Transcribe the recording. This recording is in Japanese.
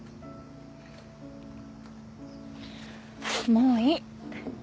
もういい。